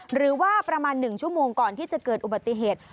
หรือว่าประมาณ๑ชั่วโมงก่อนที่จะเกิดอุบัติเหตุ